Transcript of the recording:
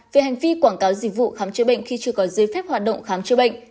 về hành vi quảng cáo dịch vụ khám chữa bệnh khi chưa có giấy phép hoạt động khám chữa bệnh